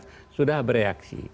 ya sudah bereaksi